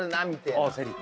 ああセリ科。